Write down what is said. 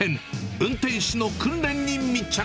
運転士の訓練に密着。